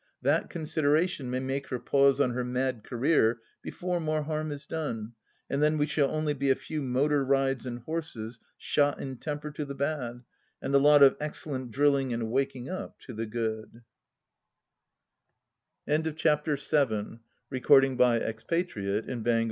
That consideration may make her pause on her mad career before more harm is done, and then we shall only be a few motor rides and horses shot in temper to the bad, and a lot of excellent drilling and waking up to the good I VIII From The Lady Venice St. Bemy LooHEOYAN Hall.